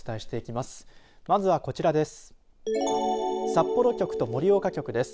まずはこちらです。